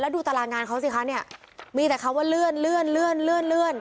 แล้วดูตารางานเขาสิคะเนี่ยมีแต่คำว่าเลื่อน